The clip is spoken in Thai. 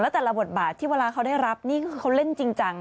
แล้วแต่ละบทบาทที่เวลาเขาได้รับนี่คือเขาเล่นจริงจัง